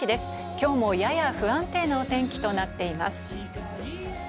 今日も、やや不安定なお天気となっています。